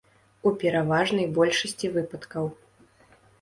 У пераважнай большасці выпадкаў.